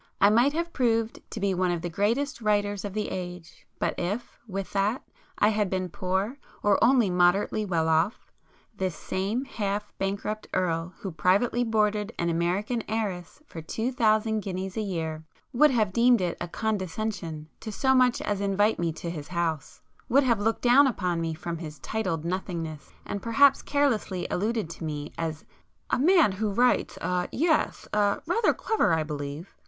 I might have proved to be one of the greatest writers of the age, but if, with that, I had been poor or only moderately well off, this same half bankrupt Earl who privately boarded an American heiress for two thousand guineas a year, would have deemed it a 'condescension' to so much as invite me to his house,—would have looked down upon me from his titled nothingness and perhaps carelessly alluded to me as 'a man who writes—er—yes—er—rather [p 148] clever I believe!